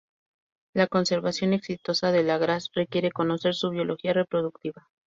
La conservación exitosa del Agraz requiere conocer su biología reproductiva.